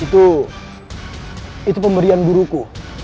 itu itu pemberian guruku